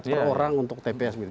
per orang untuk tps miri